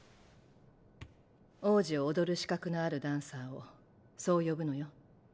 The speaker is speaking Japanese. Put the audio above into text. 王子を踊る資格のあるダンサーをそう呼ぶのよ。